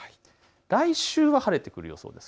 来週は晴れてくる予想です。